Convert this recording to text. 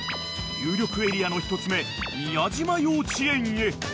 ［有力エリアの１つ目宮島幼稚園へ］